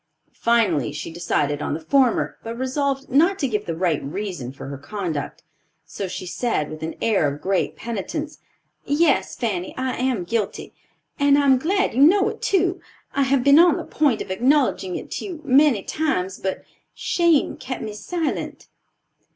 Finally, she decided on the former, but resolved not to give the right reason for her conduct; so she said, with an air of great penitence: "Yes, Fanny, I am guilty, and I am glad you know it, too. I have been on the point of acknowledging it to you many times, but shame kept me silent."